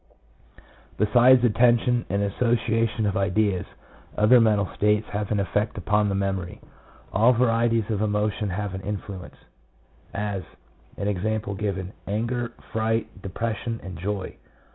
69 Besides attention and association of ideas, other mental states have an effect upon the memory. All varieties of emotion have an influence — as, e.g., anger, fright, depression, and joy.